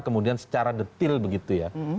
kemudian secara detil begitu ya